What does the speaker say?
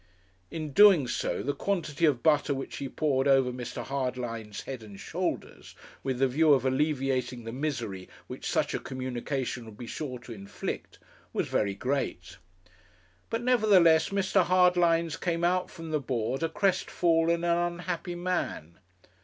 In doing so the quantity of butter which he poured over Mr. Hardlines' head and shoulders with the view of alleviating the misery which such a communication would be sure to inflict, was very great. But, nevertheless, Mr. Hardlines came out from the Board a crestfallen and unhappy man.